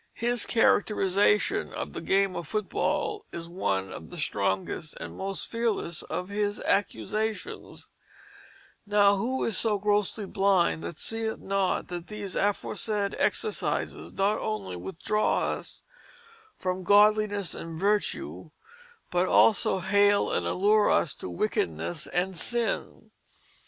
His characterization of the game of foot ball is one of the strongest and most fearless of his accusations: "Now who is so grosly blinde that seeth not that these aforesaid exercises not only withdraw us from godliness and virtue, but also haile and allure us to wickednesse and sin?